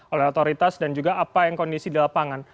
oleh otoritas dan juga apa yang kondisi di lapangan